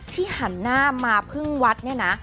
หันหน้ามาพึ่งวัดเนี่ยนะ